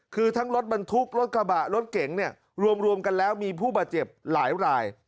คือทั้งรถบรรทุกรถกระบะรถเก๋งเนี่ยรวมกันแล้วมีผู้บาดเจ็บหลายราย